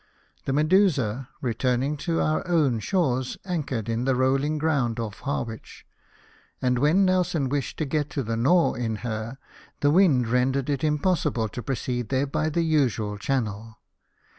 The Medusa, returning to our own shores, anchored in the rolling ground off Harwich ; and, when Nelson wished to get to the Nore in her, the wind rendered it impossible to proceed there by the usual channel.